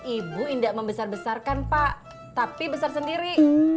ibu tidak membesar besarkan pak tapi besar sendiri